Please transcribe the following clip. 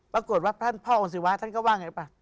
ปรากฏว่าท่านพ่อองค์ศิวะท่านก็ว่าไงป่ะ